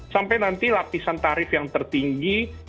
sampai nanti lapisan tarif yang tertinggi